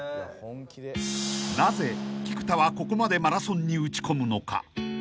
［なぜ菊田はここまでマラソンに打ち込むのか？］